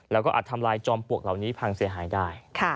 แล้วก็อาจทำลายจอมปลวกเหล่านี้พังเสียหายได้